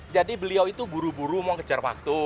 jadi beliau itu buru buru mau kejar waktu